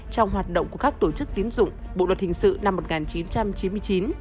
trong hoạt động của các tổ chức tiến dụng bộ luật hình sự năm một nghìn chín trăm chín mươi chín